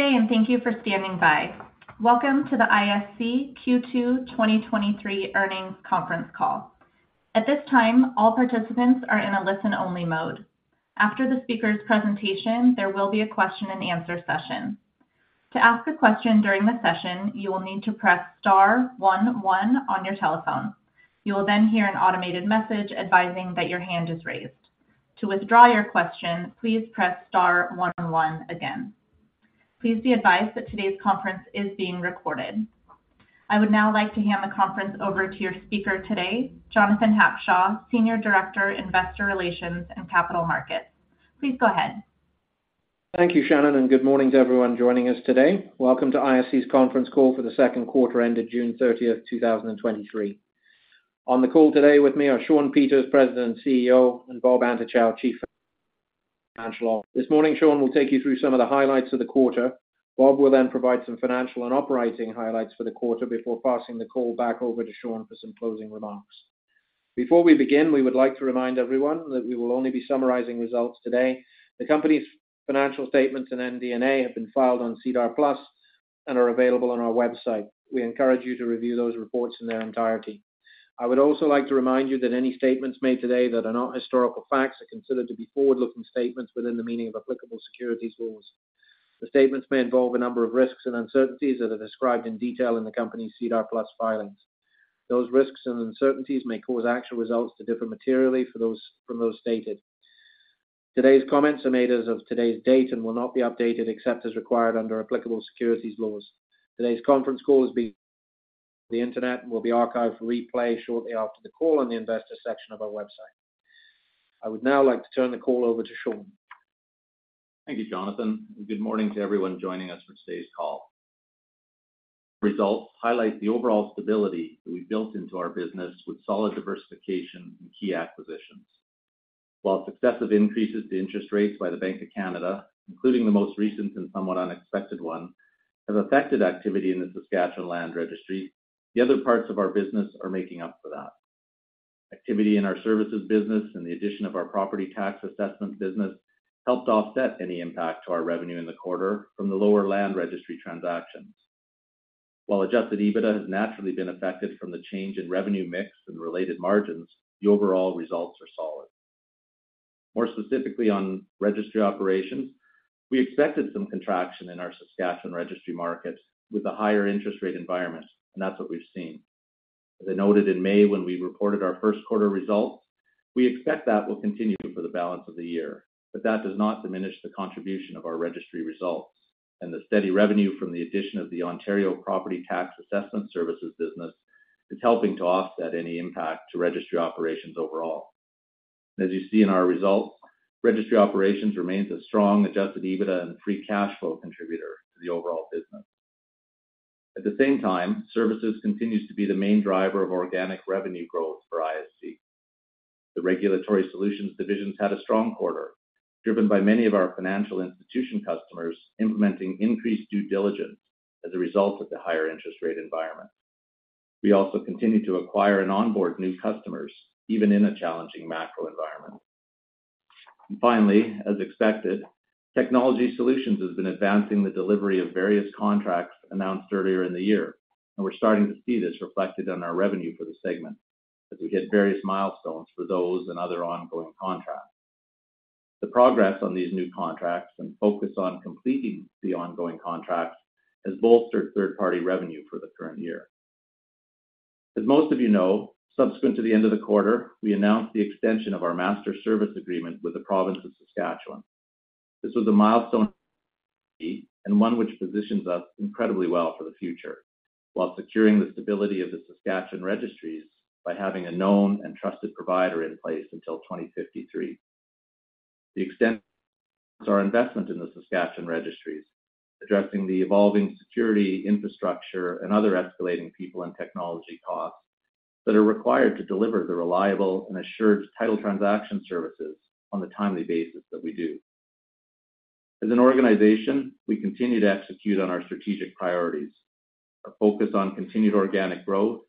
Good day, and thank you for standing by. Welcome to the ISC Q2 2023 earnings conference call. At this time, all participants are in a listen-only mode. After the speaker's presentation, there will be a question-and-answer session. To ask a question during the session, you will need to press star one one on your telephone. You will then hear an automated message advising that your hand is raised. To withdraw your question, please press star one one again. Please be advised that today's conference is being recorded. I would now like to hand the conference over to your speaker today, Jonathan Hackshaw, Senior Director, Investor Relations and Capital Markets. Please go ahead. Thank you, Shannon. Good morning to everyone joining us today. Welcome to ISC's conference call for the second quarter ended June 30th, 2023. On the call today with me are Shawn Peters, President and CEO, and Bob Antochow, Chief Financial Officer. This morning, Shawn will take you through some of the highlights of the quarter. Bob will then provide some financial and operating highlights for the quarter before passing the call back over to Shawn for some closing remarks. Before we begin, we would like to remind everyone that we will only be summarizing results today. The company's financial statements and MD&A have been filed on SEDAR+ and are available on our website. We encourage you to review those reports in their entirety. I would also like to remind you that any statements made today that are not historical facts are considered to be forward-looking statements within the meaning of applicable securities laws. The statements may involve a number of risks and uncertainties that are described in detail in the company's SEDAR+ filings. Those risks and uncertainties may cause actual results to differ materially from those stated. Today's comments are made as of today's date and will not be updated except as required under applicable securities laws. Today's conference call is being the internet, will be archived for replay shortly after the call on the investor section of our website. I would now like to turn the call over to Shawn. Thank you, Jonathan, and good morning to everyone joining us for today's call. Results highlight the overall stability that we built into our business with solid diversification and key acquisitions. While successive increases the interest rates by the Bank of Canada, including the most recent and somewhat unexpected one, have affected activity in the Saskatchewan Land Registry, the other parts of our business are making up for that. Activity in our services business and the addition of our property tax assessment business helped offset any impact to our revenue in the quarter from the lower land registry transactions. While adjusted EBITDA has naturally been affected from the change in revenue mix and related margins, the overall results are solid. More specifically, on Registry Operations, we expected some contraction in our Saskatchewan registry markets with a higher interest rate environment, and that's what we've seen. As I noted in May when we reported our first quarter results, we expect that will continue for the balance of the year, but that does not diminish the contribution of our registry results, and the steady revenue from the addition of the Ontario Property Tax Assessment Services business is helping to offset any impact to Registry Operations overall. As you see in our results, Registry Operations remains a strong adjusted EBITDA and free cash flow contributor to the overall business. At the same time, services continues to be the main driver of organic revenue growth for ISC. The Regulatory Solutions divisions had a strong quarter, driven by many of our financial institution customers implementing increased due diligence as a result of the higher interest rate environment. We also continued to acquire and onboard new customers, even in a challenging macro environment. Finally, as expected, Technology Solutions has been advancing the delivery of various contracts announced earlier in the year, and we're starting to see this reflected on our revenue for the segment as we hit various milestones for those and other ongoing contracts. The progress on these new contracts and focus on completing the ongoing contracts has bolstered third-party revenue for the current year. As most of you know, subsequent to the end of the quarter, we announced the extension of our Master Service Agreement with the province of Saskatchewan. This was a milestone, and one which positions us incredibly well for the future, while securing the stability of the Saskatchewan registries by having a known and trusted provider in place until 2053. The extent our investment in the Saskatchewan registries, addressing the evolving security, infrastructure, and other escalating people and technology costs that are required to deliver the reliable and assured title transaction services on the timely basis that we do. As an organization, we continue to execute on our strategic priorities. Our focus on continued organic growth,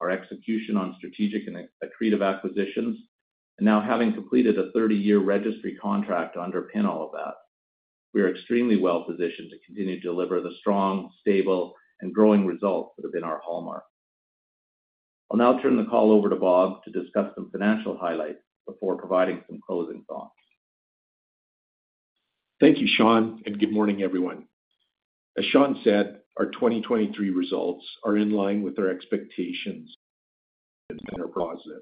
our execution on strategic and accretive acquisitions, and now having completed a 30-year registry contract to underpin all of that, we are extremely well positioned to continue to deliver the strong, stable, and growing results that have been our hallmark. I'll now turn the call over to Bob to discuss some financial highlights before providing some closing thoughts. Thank you, Shawn. Good morning, everyone. As Shawn said, our 2023 results are in line with our expectations and are positive.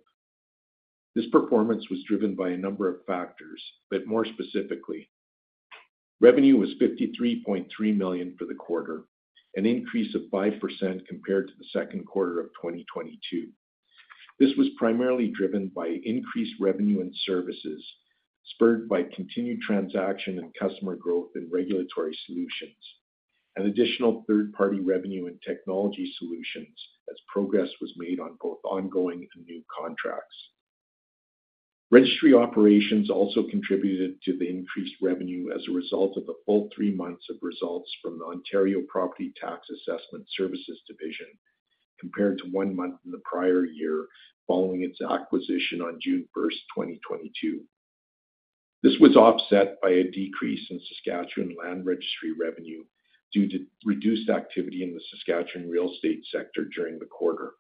This performance was driven by a number of factors. More specifically, revenue was 53.3 million for the quarter, an increase of 5% compared to the second quarter of 2022. This was primarily driven by increased revenue in services, spurred by continued transaction and customer growth in Regulatory Solutions, and additional third-party revenue and Technology Solutions as progress was made on both ongoing and new contracts. Registry Operations also contributed to the increased revenue as a result of the full three months of results from the Ontario Property Tax Assessment Services division. Compared to one month in the prior year, following its acquisition on June 1st, 2022. This was offset by a decrease in Saskatchewan Land Registry revenue due to reduced activity in the Saskatchewan real estate sector during the quarter.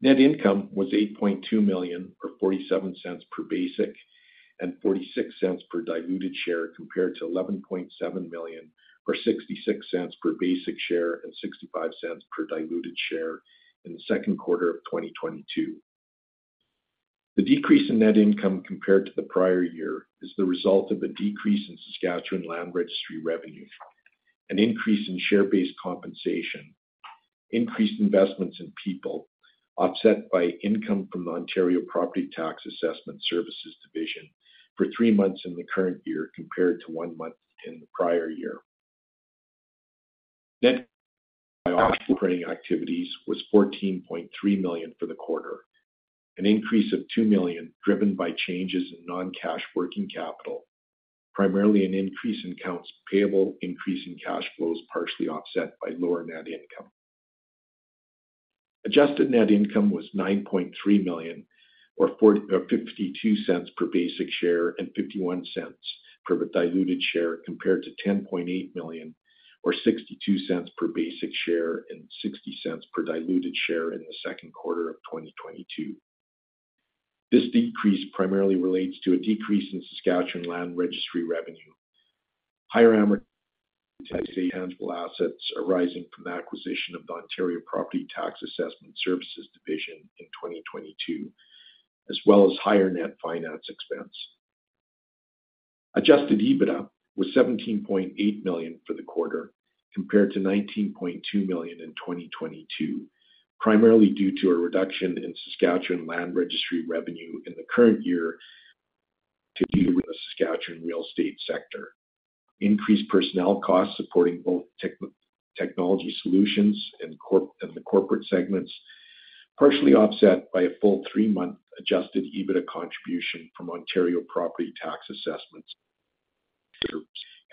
Net income was 8.2 million, or 0.47 per basic and 0.46 per diluted share, compared to 11.7 million, or 0.66 per basic share and 0.65 per diluted share in second quarter 2022. The decrease in net income compared to the prior year is the result of a decrease in Saskatchewan Land Registry revenue, an increase in share-based compensation, increased investments in people, offset by income from the Ontario Property Tax Assessment Services division for three months in the current year, compared to one month in the prior year. Net by operating activities was 14.3 million for the quarter, an increase of 2 million, driven by changes in non-cash working capital, primarily an increase in accounts payable, increase in cash flows, partially offset by lower net income. Adjusted net income was 9.3 million or 0.52 per basic share and 0.51 per diluted share, compared to 10.8 million or 0.62 per basic share and 0.60 per diluted share in the second quarter of 2022. This decrease primarily relates to a decrease in Saskatchewan Land Registry revenue. Higher amortization of intangible assets arising from the acquisition of the Ontario Property Tax Assessment Services division in 2022, as well as higher net finance expense. Adjusted EBITDA was 17.8 million for the quarter, compared to 19.2 million in 2022, primarily due to a reduction in Saskatchewan Land Registry revenue in the current year to do with the Saskatchewan real estate sector. Increased personnel costs supporting both Technology Solutions and the corporate segments, partially offset by a full three-month adjusted EBITDA contribution from Ontario Property Tax Assessments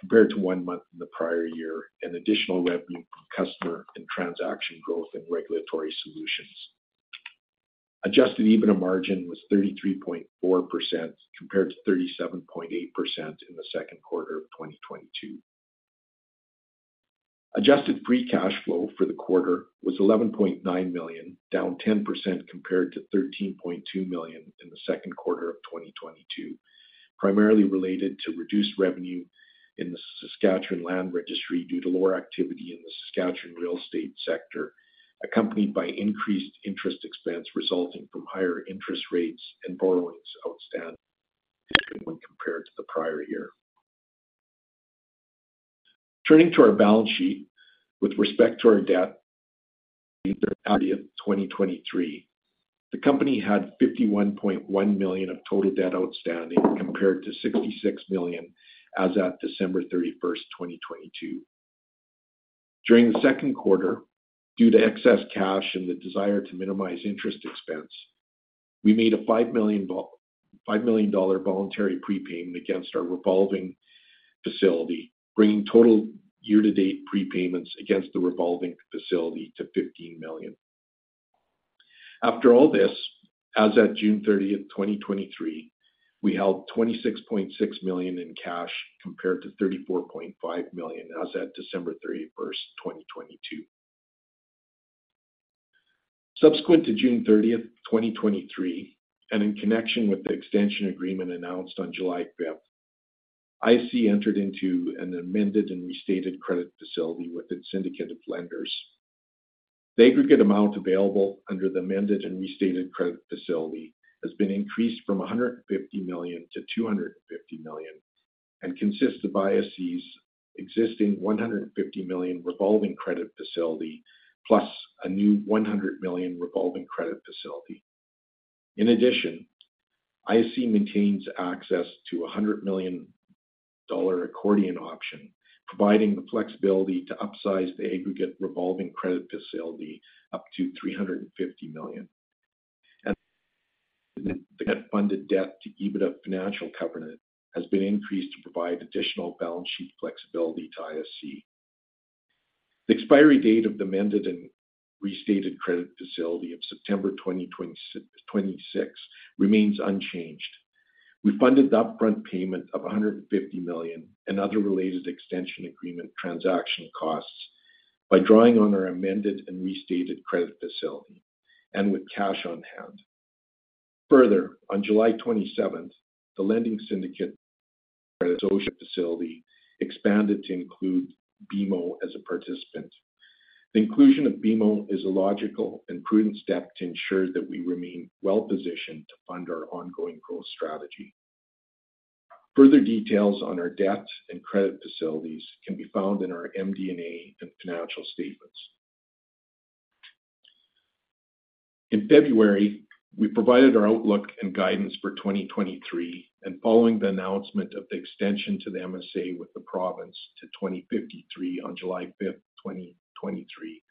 compared to one month in the prior year, and additional revenue from customer and transaction growth in Regulatory Solutions. Adjusted EBITDA margin was 33.4%, compared to 37.8% in the second quarter of 2022. Adjusted free cash flow for the quarter was 11.9 million, down 10% compared to 13.2 million in the second quarter of 2022, primarily related to reduced revenue in the Saskatchewan Land Registry due to lower activity in the Saskatchewan real estate sector, accompanied by increased interest expense resulting from higher interest rates and borrowings outstanding when compared to the prior year. Turning to our balance sheet. With respect to our debt of 2023, the company had 51.1 million of total debt outstanding, compared to 66 million as at December 31st, 2022. During the second quarter, due to excess cash and the desire to minimize interest expense, we made a 5 million dollar voluntary prepayment against our revolving facility, bringing total year-to-date prepayments against the revolving facility to 15 million. After all this, as at June 30th, 2023, we held 26.6 million in cash, compared to 34.5 million as at December 31st, 2022. Subsequent to June 30th, 2023, and in connection with the extension agreement announced on July 5th, ISC entered into an amended and restated credit facility with its syndicate of lenders. The aggregate amount available under the amended and restated credit facility has been increased from 150 million to 250 million, and consists of ISC's existing 150 million revolving credit facility, plus a new 100 million revolving credit facility. In addition, ISC maintains access to a 100 million dollar accordion option, providing the flexibility to upsize the aggregate revolving credit facility up to 350 million. The net funded debt to EBITDA financial covenant has been increased to provide additional balance sheet flexibility to ISC. The expiry date of the amended and restated credit facility of September 2026 remains unchanged. We funded the upfront payment of 150 million and other related extension agreement transaction costs by drawing on our amended and restated credit facility and with cash on hand. On July 27th, the lending syndicate facility expanded to include BMO as a participant. The inclusion of BMO is a logical and prudent step to ensure that we remain well positioned to fund our ongoing growth strategy. Details on our debt and credit facilities can be found in our MD&A and financial statements. In February, we provided our outlook and guidance for 2023. Following the announcement of the extension to the MSA with the province to 2053 on July 5th, 2023,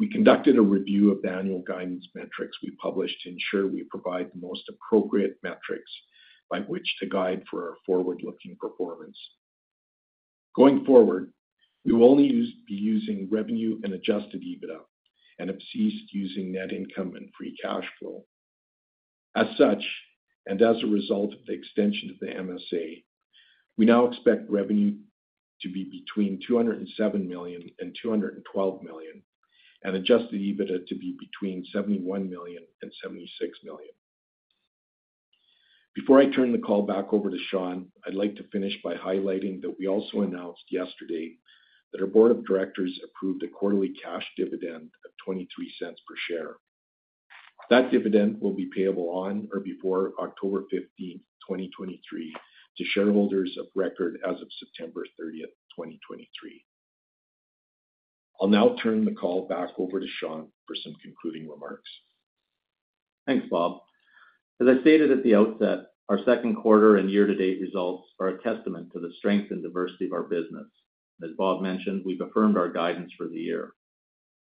we conducted a review of the annual guidance metrics we published to ensure we provide the most appropriate metrics by which to guide for our forward-looking performance. Going forward, we will only be using revenue and adjusted EBITDA and have ceased using net income and free cash flow. As such, as a result of the extension of the MSA, we now expect revenue to be between 207 million and 212 million, and adjusted EBITDA to be between 71 million and 76 million. Before I turn the call back over to Shawn, I'd like to finish by highlighting that we also announced yesterday that our board of directors approved a quarterly cash dividend of 0.23 per share. That dividend will be payable on or before October 15th, 2023, to shareholders of record as of September 30th, 2023. I'll now turn the call back over to Shawn for some concluding remarks. Thanks, Bob. As I stated at the outset, our second quarter and year-to-date results are a testament to the strength and diversity of our business. As Bob mentioned, we've affirmed our guidance for the year.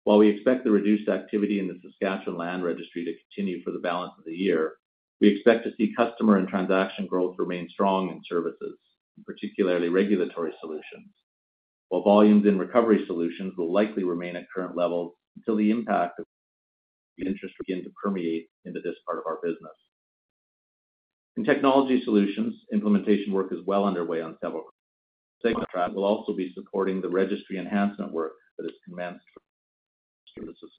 While we expect the reduced activity in the Saskatchewan Land Registry to continue for the balance of the year, we expect to see customer and transaction growth remain strong in services, particularly Regulatory Solutions. While volumes in Recovery Solutions will likely remain at current levels until the impact of interest begin to permeate into this part of our business. In Technology Solutions, implementation work is well underway on several contracts. We'll also be supporting the registry enhancement work that has commenced services.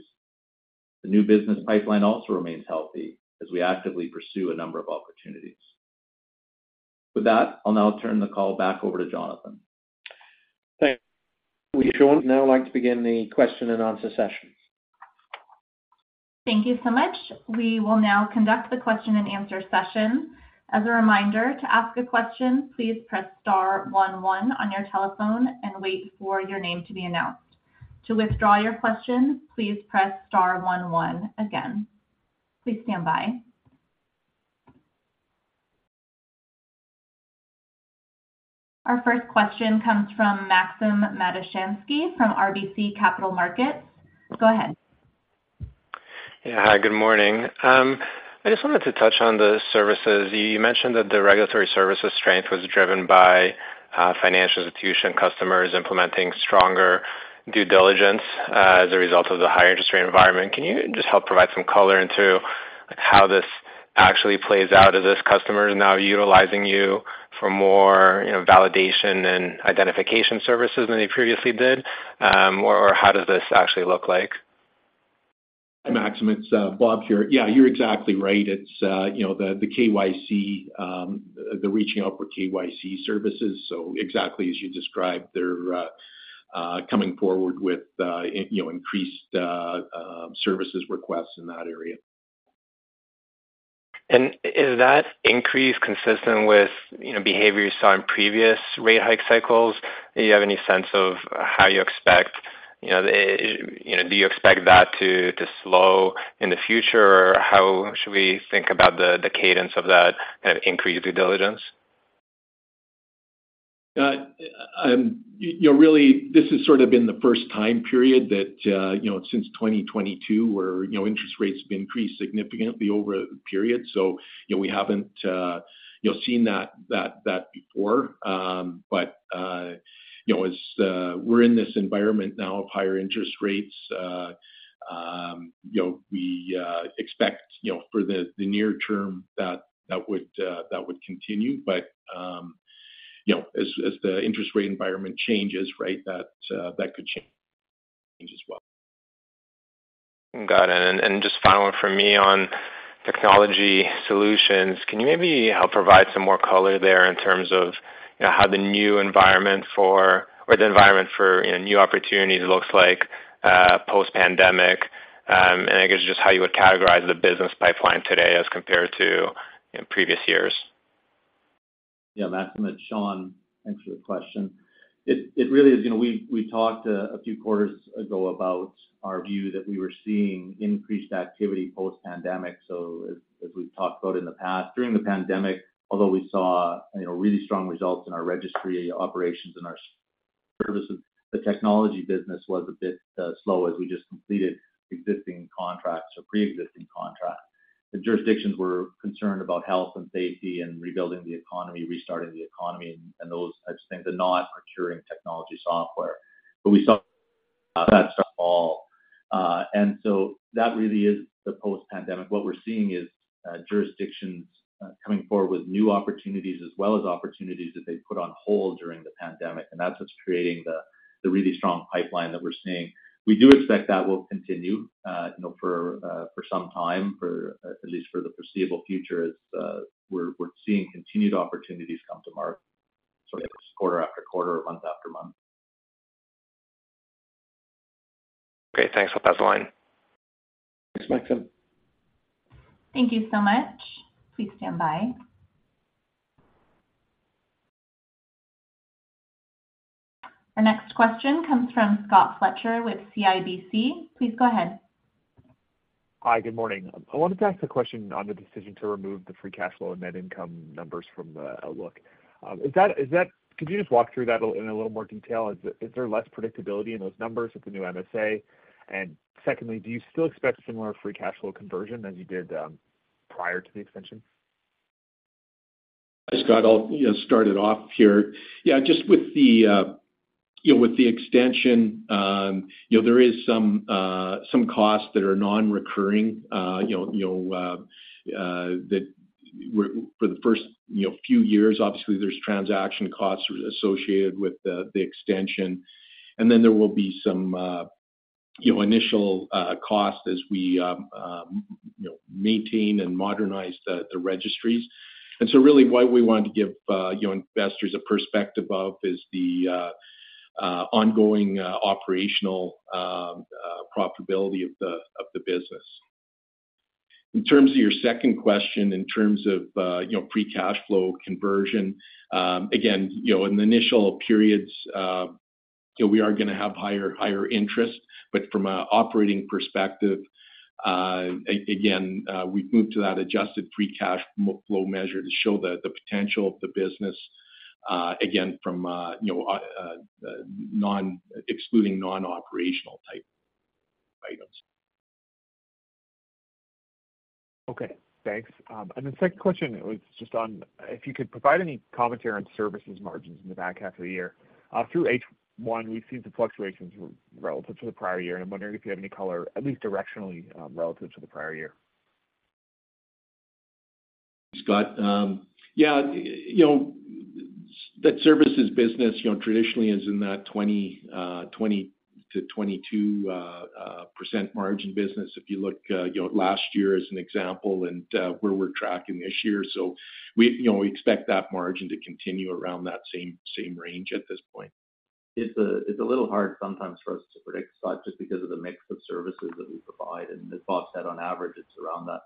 The new business pipeline also remains healthy as we actively pursue a number of opportunities. With that, I'll now turn the call back over to Jonathan. Thanks, Shawn. I'd now like to begin the question and answer session. Thank you so much. We will now conduct the question and answer session. As a reminder, to ask a question, please press star one one on your telephone and wait for your name to be announced. To withdraw your question, please press star one one again. Please stand by. Our first question comes from Maxim Matushansky from RBC Capital Markets. Go ahead. Yeah. Hi, good morning. I just wanted to touch on the services. You mentioned that the regulatory services strength was driven by financial institution customers implementing stronger due diligence as a result of the higher interest rate environment. Can you just help provide some color into how this actually plays out? Are those customers now utilizing you for more, you know, validation and identification services than they previously did? Or, or how does this actually look like? Maxim, it's Bob here. Yeah, you're exactly right. It's, you know, the, the KYC, the reaching out for KYC services. Exactly as you described, they're coming forward with, you know, increased services requests in that area. Is that increase consistent with, you know, behavior you saw in previous rate hike cycles? Do you have any sense of how you expect, you know, you know, do you expect that to, to slow in the future, or how should we think about the, the cadence of that increased due diligence? You know, really, this has sort of been the first time period that, you know, since 2022, where, you know, interest rates have increased significantly over a period. You know, we haven't, you know, seen that, that, that before. You know, as we're in this environment now of higher interest rates, you know, we expect, you know, for the near term, that that would, that would continue. You know, as the interest rate environment changes, right, that, that could change, change as well. Got it. And just final one from me on Technology Solutions, can you maybe help provide some more color there in terms of, you know, how the new environment or the environment for, you know, new opportunities looks like, post-pandemic, and I guess just how you would categorize the business pipeline today as compared to, you know, previous years? Yeah, Maxim, it's Shawn. Thanks for the question. It really is, you know, we talked a few quarters ago about our view that we were seeing increased activity post-pandemic. As we've talked about in the past, during the pandemic, although we saw, you know, really strong results in our Registry Operations and our services, the technology business was a bit slow as we just completed existing contracts or pre-existing contracts. The jurisdictions were concerned about health and safety and rebuilding the economy, restarting the economy and those types of things, and not procuring technology software. We saw that fall. That really is the post-pandemic. What we're seeing is jurisdictions coming forward with new opportunities as well as opportunities that they put on hold during the pandemic, and that's what's creating the really strong pipeline that we're seeing. We do expect that will continue, you know, for some time, for, at least for the foreseeable future, as we're seeing continued opportunities come to market. It's quarter after quarter, month after month. Great. Thanks. I'll pass the line. Thanks, Maxim. Thank you so much. Please stand by. Our next question comes from Scott Fletcher with CIBC. Please go ahead. Hi, good morning. I wanted to ask a question on the decision to remove the free cash flow and net income numbers from the look. Is that, could you just walk through that a little, in a little more detail? Is there, is there less predictability in those numbers with the new MSA? Secondly, do you still expect similar free cash flow conversion as you did prior to the extension? I just got all, you know, started off here. Yeah, just with the, you know, with the extension, you know, there is some, some costs that are non-recurring, you know, you know, for the first, you know, few years, obviously, there's transaction costs associated with the, the extension. There will be some, you know, initial, costs as we, you know, maintain and modernize the, the registries. Really why we wanted to give, you know, investors a perspective of is the, ongoing, operational, profitability of the, of the business. In terms of your second question, in terms of, you know, free cash flow conversion, again, you know, in the initial periods, you know, we are going to have higher, higher interest. From an operating perspective, again, we've moved to that adjusted free cash flow measure to show the potential of the business, again, from, you know, excluding non-operational type items. Okay, thanks. The second question was just on if you could provide any commentary on services margins in the back half of the year. Through H1, we've seen the fluctuations relative to the prior year, and I'm wondering if you have any color, at least directionally, relative to the prior year. Scott, yeah, you know, that services business, you know, traditionally is in that 20%-22% margin business. If you look, you know, at last year as an example and, where we're tracking this year. We, you know, expect that margin to continue around that same, same range at this point. It's a, it's a little hard sometimes for us to predict, Scott, just because of the mix of services that we provide. As Bob said, on average, it's around that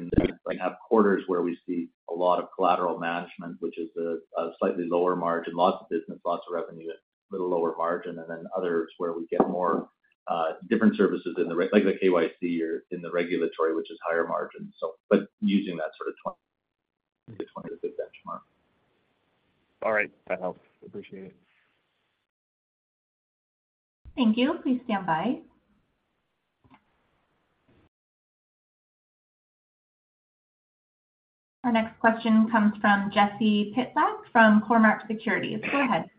20%-22%. We have quarters where we see a lot of collateral management, which is a, a slightly lower margin, lots of business, lots of revenue at a little lower margin, and then others where we get more, different services in the like the KYC or in the regulatory, which is higher margin. But using that sort of 20%, it's 20% as a benchmark. All right. That helps. Appreciate it. Thank you. Please stand by. Our next question comes from Jesse Pytlak from Cormark Securities. Go ahead.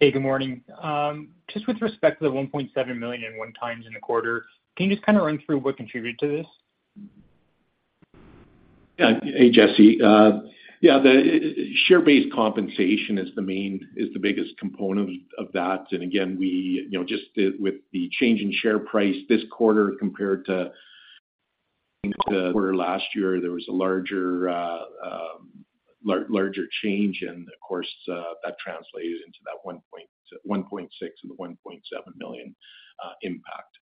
Hey, good morning. Just with respect to the 1.7 million one-times in the quarter, can you just kind of run through what contributed to this? Yeah. Hey, Jesse. Yeah, the share-based compensation is the main, is the biggest component of that. Again, we, you know, just the, with the change in share price this quarter compared to the quarter last year, there was a larger, larger change. Of course, that translated into that 1.6 million and 1.7 million impact.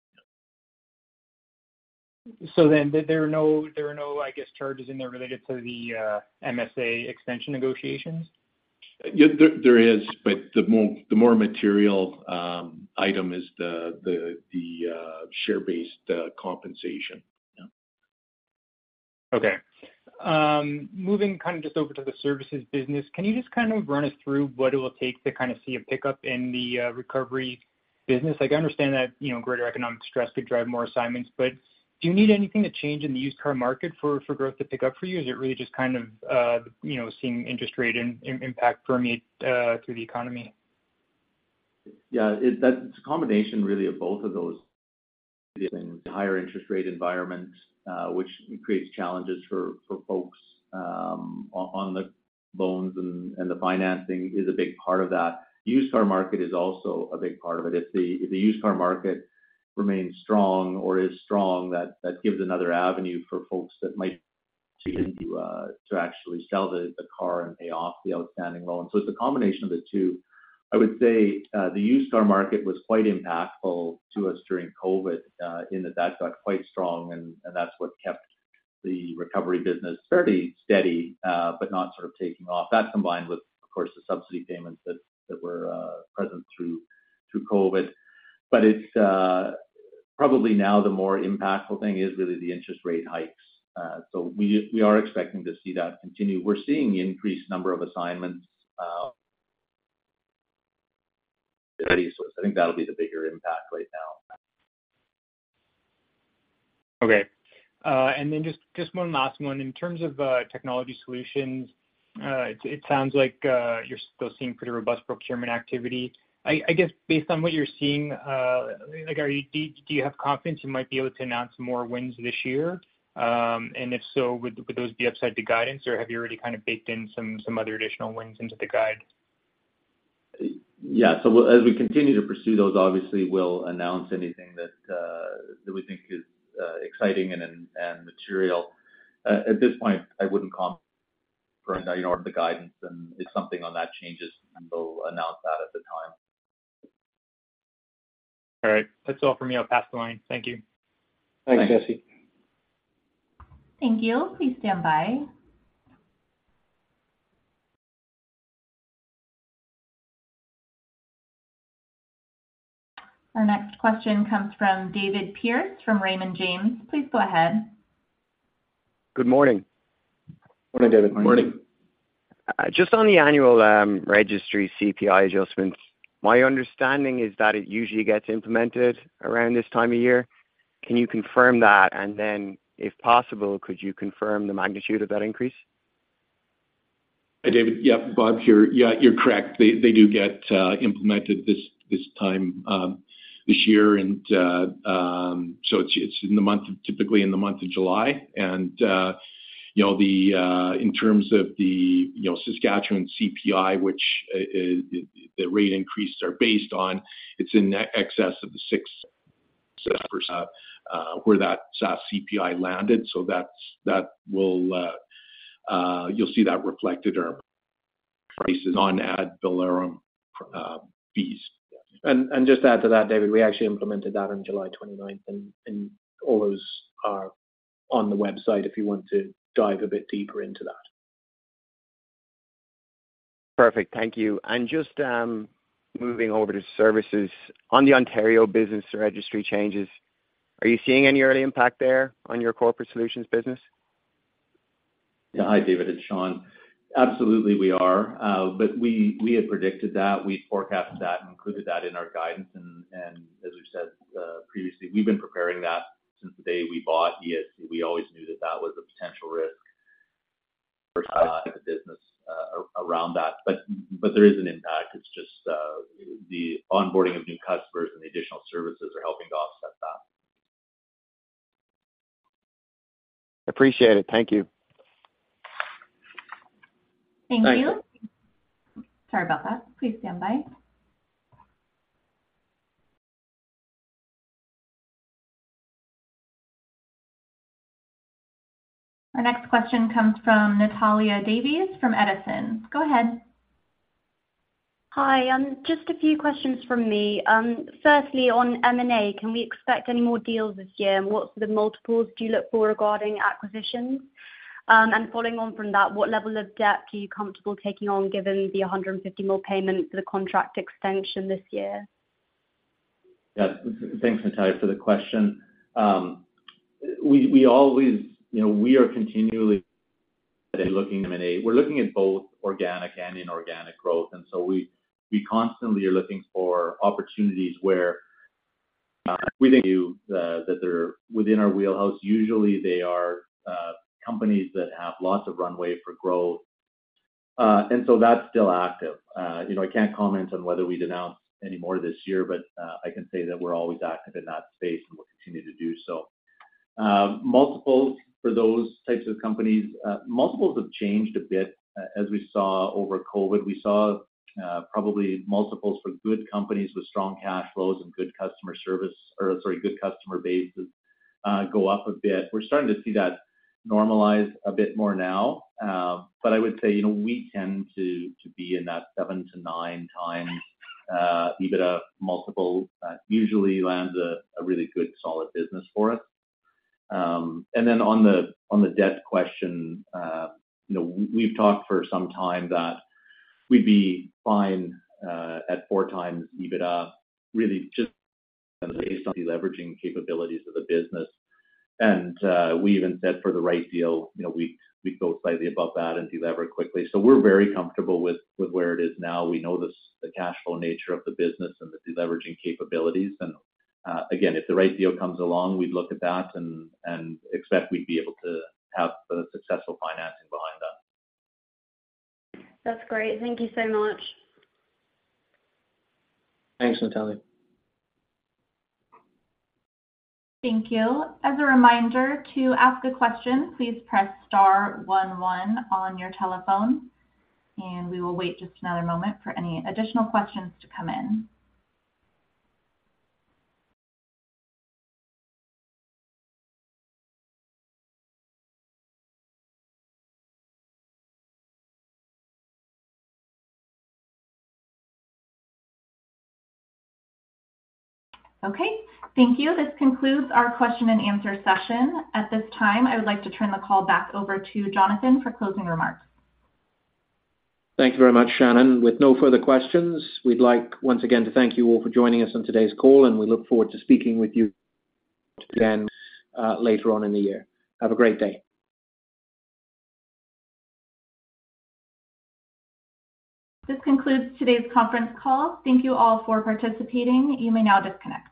There are no, there are no, I guess, charges in there related to the MSA extension negotiations? Yeah, there, there is, but the more, the more material item is the, the, the share-based compensation. Yeah. Okay. Moving kind of just over to the services business, can you just kind of run us through what it will take to kind of see a pickup in the recovery business? Like, I understand that, you know, greater economic stress could drive more assignments, but do you need anything to change in the used car market for, for growth to pick up for you? Or is it really just kind of, you know, seeing interest rate and impact permeate through the economy? Yeah, That it's a combination, really, of both of those. In higher interest rate environment, which creates challenges for folks on the loans and the financing is a big part of that. Used car market is also a big part of it. If the used car market remains strong or is strong, that gives another avenue for folks that might to actually sell the car and pay off the outstanding loan. It's a combination of the two. I would say, the used car market was quite impactful to us during COVID, in that got quite strong, and that's what kept the recovery business fairly steady, but not sort of taking off. That combined with, of course, the subsidy payments that were present through COVID. It's, probably now the more impactful thing is really the interest rate hikes. We, we are expecting to see that continue. We're seeing increased number of assignments, I think that'll be the bigger impact right now. Okay. Then just, just one last one. In terms of Technology Solutions, you're still seeing pretty robust procurement activity. Based on what you're seeing, do you have confidence you might be able to announce more wins this year? If so, would those be upside to guidance, or have you already kind of baked in some, some other additional wins into the guide? Yeah. So as we continue to pursue those, obviously, we'll announce anything that, that we think is exciting and, and, and material. At this point, I wouldn't for, you know, the guidance, and if something on that changes, we'll announce that at the time. All right. That's all for me. I'll pass the line. Thank you. Thanks, Jesse. Thank you. Please stand by. Our next question comes from David Pierce, from Raymond James. Please go ahead. Good morning. Morning, David. Morning. Just on the annual registry CPI adjustments, my understanding is that it usually gets implemented around this time of year. Can you confirm that? Then, if possible, could you confirm the magnitude of that increase? Hey, David. Yep, Bob here. Yeah, you're correct. They, they do get implemented this, this time, this year, and so it's typically in the month of July. You know, the in terms of the, you know, Saskatchewan CPI, which is the rate increases are based on, it's in excess of the 6% where that Sask CPI landed. That's, that will. You'll see that reflected in our prices on ad valorem fees. Just to add to that, David, we actually implemented that on July 29th, and all those are on the website, if you want to dive a bit deeper into that. Perfect. Thank you. just, moving over to services, on the Ontario Business Registry changes, are you seeing any early impact there on your Corporate Solutions business? Yeah. Hi, David, it's Shawn. Absolutely, we are. We, we had predicted that. We forecast that and included that in our guidance. As we've said, previously, we've been preparing that since the day we bought ESC. We always knew that that was a potential risk for the business around that. There is an impact. It's just the onboarding of new customers and the additional services are helping to offset that. Appreciate it. Thank you. Thank you. Sorry about that. Please stand by. Our next question comes from Natalya Davies, from Edison. Go ahead. Hi, just a few questions from me. Firstly, on M&A, can we expect any more deals this year? What's the multiples do you look for regarding acquisitions? Following on from that, what level of debt are you comfortable taking on, given the 150 million payment for the contract extension this year? Yeah. Thanks, Natalya, for the question. We, we always, you know, we are continually looking M&A. We're looking at both organic and inorganic growth, so we, we constantly are looking for opportunities where that they're within our wheelhouse. Usually they are companies that have lots of runway for growth. That's still active. You know, I can't comment on whether we'd announce any more this year, but I can say that we're always active in that space, and we'll continue to do so. Multiples for those types of companies, multiples have changed a bit. As we saw over COVID, we saw probably multiples for good companies with strong cash flows and good customer service, or sorry, good customer bases, go up a bit. We're starting to see that normalize a bit more now. I would say, you know, we tend to, to be in that 7x-9x EBITDA multiple. That usually lands a, a really good solid business for us. Then on the, on the debt question, you know, we've talked for some time that we'd be fine at 4x EBITDA, really just based on the leveraging capabilities of the business. We even said for the right deal, you know, we'd, we'd go slightly above that and delever quickly. We're very comfortable with, with where it is now. We know the cash flow nature of the business and the deleveraging capabilities. Again, if the right deal comes along, we'd look at that and, and expect we'd be able to have a successful financing behind that. That's great. Thank you so much. Thanks, Natalya. Thank you. As a reminder to ask a question, please press star one one on your telephone, and we will wait just another moment for any additional questions to come in. Okay. Thank you. This concludes our question and answer session. At this time, I would like to turn the call back over to Jonathan for closing remarks. Thank you very much, Shannon. With no further questions, we'd like once again to thank you all for joining us on today's call. We look forward to speaking with you again later on in the year. Have a great day. This concludes today's conference call. Thank you all for participating. You may now disconnect.